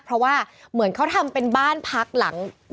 เพราะว่าเหมือนเขาทำเป็นบ้านพักหลัง